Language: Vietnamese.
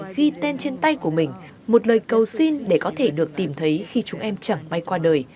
ghi tên trên tay của mình một lời cầu xin để có thể được tìm thấy khi chúng em chẳng bay qua đời